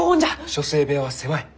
書生部屋は狭い。